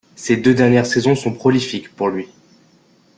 Ses deux dernières saisons sont prolifiques pour lui.